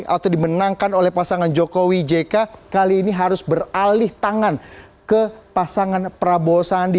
atau dimenangkan oleh pasangan jokowi jk kali ini harus beralih tangan ke pasangan prabowo sandi